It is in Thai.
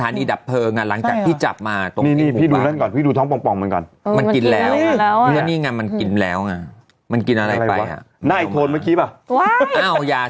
นี่เยอะมากไลเนี่ย